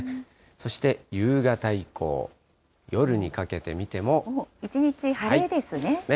そして夕方以降、一日晴れですね。ですね。